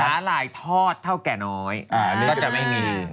หล่ายทอดเท่าแก่น้อยก็จะไม่มี